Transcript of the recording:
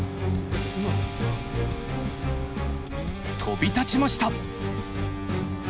飛び立ちました。